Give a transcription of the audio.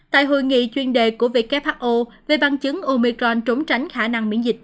tại hội nghị chuyên đề của who về bằng chứng omecron trốn tránh khả năng miễn dịch